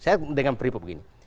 saya dengan pripot begini